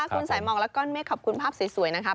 คุณสายมองและก้อนเมฆขอบคุณภาพสวยนะครับ